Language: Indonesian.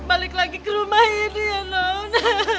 balik lagi ke rumah ini ya nona